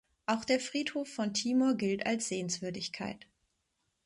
Auch der Friedhof von Timor gilt als Sehenswürdigkeit.